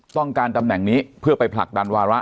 ตำแหน่งนี้เพื่อไปผลักดันวาระ